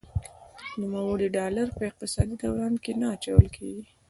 نوموړي ډالر په اقتصادي دوران کې نه اچول کیږي.